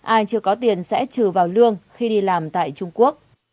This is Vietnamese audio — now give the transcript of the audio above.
ai chưa có tiền sẽ trừ vào lương khi đi làm tại trung quốc